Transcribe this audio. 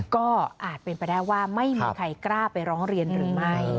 ก็อาจเป็นไปได้ว่าไม่มีใครกล้าไปร้องเรียนหรือไม่